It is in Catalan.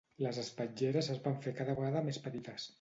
Les espatlleres es van fer cada vegada més petites.